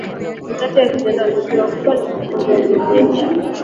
Ni kati ya vijana waliopelekwa Cuba kwa mafunzo ya kijeshi